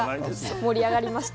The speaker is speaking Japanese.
盛り上がりました。